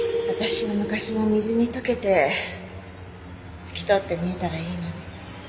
私の昔も水に溶けて透き通って見えたらいいのに。